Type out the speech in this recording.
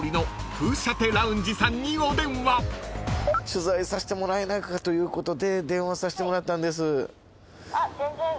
取材させてもらえないかということで電話させてもらったんです。